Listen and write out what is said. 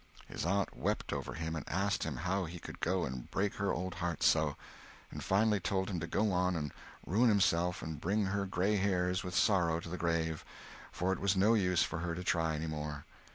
His aunt wept over him and asked him how he could go and break her old heart so; and finally told him to go on, and ruin himself and bring her gray hairs with sorrow to the grave, for it was no use for her to try any more.